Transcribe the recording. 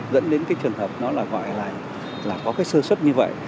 dẫn đến cái trường hợp nó là gọi là có cái sơ xuất như vậy